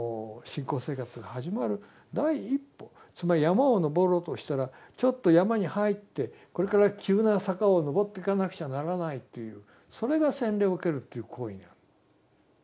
つまり山を登ろうとしたらちょっと山に入ってこれから急な坂を登っていかなくちゃならないというそれが洗礼を受けるという行為。